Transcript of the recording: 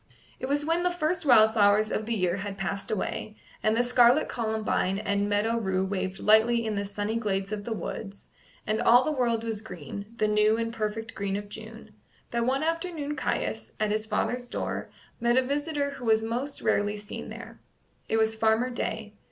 It was when the first wild flowers of the year had passed away, and scarlet columbine and meadow rue waved lightly in the sunny glades of the woods, and all the world was green the new and perfect green of June that one afternoon Caius, at his father's door, met a visitor who was most rarely seen there. It was Farmer Day.